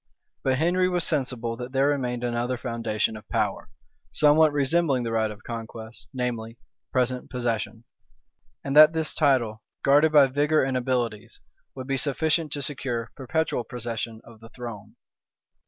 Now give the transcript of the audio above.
But Henry was sensible that there remained another foundation of power, somewhat resembling the right of conquest, namely, present possession; and that this title, guarded by vigor and abilities, would be sufficient to secure perpetual possession of the throne.